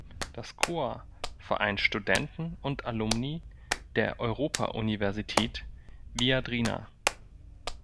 Das Corps vereint Studenten und Alumni der Europa-Universität Viadrina.